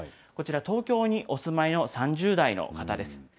こちら東京にお住まいの３０代の方です。